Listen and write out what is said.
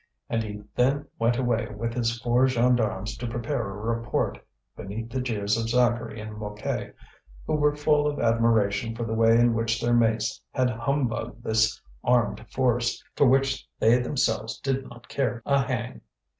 And he then went away with his four gendarmes to prepare a report, beneath the jeers of Zacharie and Mouquet, who were full of admiration for the way in which their mates had humbugged this armed force, for which they themselves did not care a hang.